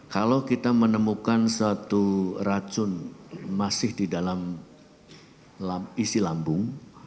kalau kita menemukan satu racun masih di dalam isi lambung